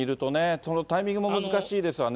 そのタイミングも難しいですわね。